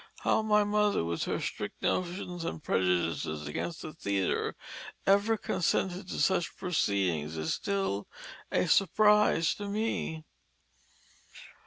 How my mother with her strict notions and prejudices against the theatre ever consented to such proceedings is still a surprise to me."